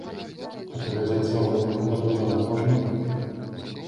А прывязаць заробак да долара можна?